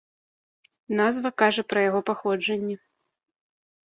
Назва кажа пра яго паходжанне.